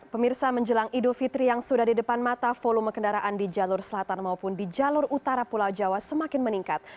pemirsa menjelang idul fitri yang sudah di depan mata volume kendaraan di jalur selatan maupun di jalur utara pulau jawa semakin meningkat